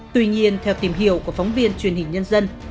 tuy nhiên theo tìm hiểu của phóng viên truyền hình nhân dân